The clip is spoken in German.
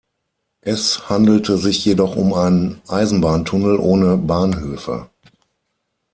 Es handelte sich jedoch um einen Eisenbahntunnel ohne Bahnhöfe.